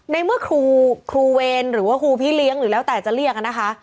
ในเมื่อครูเวรหรือว่าครูพี่เลี้ยงหรือแล้วแต่จะเรียกนะคะ